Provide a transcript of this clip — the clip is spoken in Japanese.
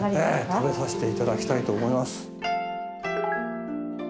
食べさせて頂きたいと思います。